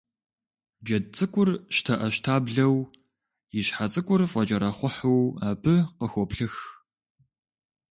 Джэд цӀыкӀур щтэӀэщтаблэу, и щхьэ цӀыкӀур фӀэкӀэрэхъухьу абы къыхоплъых.